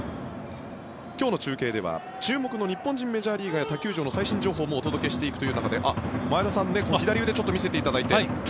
今日の中継では注目の日本人メジャーリーガーや他球場の最新情報もお届けしていくという中で前田さん、左腕ちょっと見せていただいて。